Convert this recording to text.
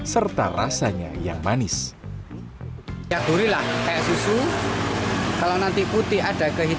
serta rasanya yang enak